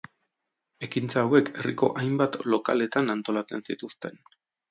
Ekintza hauek herriko hainbat lokaletan antolatzen zituzten.